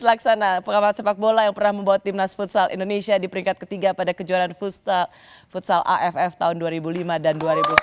laksana pengamal sepak bola yang pernah membawa timnas futsal indonesia di peringkat ketiga pada kejuaraan futsal aff tahun dua ribu lima dan dua ribu sepuluh